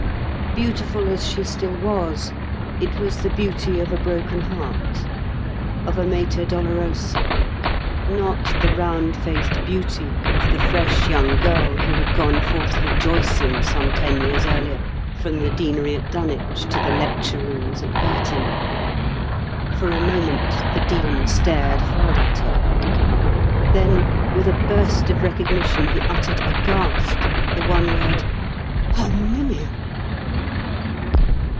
Beautiful as she still was, it was the beauty of a broken heart, of a Mater Dolorosa, not the roundfaced beauty of the fresh young girl who had gone forth rejoicing some ten years earlier from the Deanery at Dunwich to the lecture rooms at Girton. For a moment the Dean stared hard at her. Then with a burst of recognition he uttered aghast the one word "Herminia!"